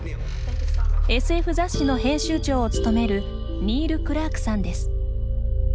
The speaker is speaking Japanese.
ＳＦ雑誌の編集長を務めるニール・クラークさんです。